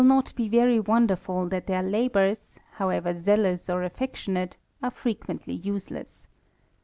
not be very wonderfijl that their labours, however zealous or rtffectionate, are frequently useless.